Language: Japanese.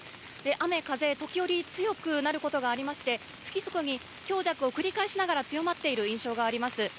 雨風、時折、強くなることがありまして不規則に強弱を繰り返しながら強まっている印象があります。